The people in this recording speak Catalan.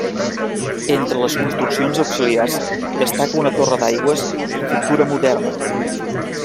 Entre les construccions auxiliars destaca una torre d'aigües de factura moderna.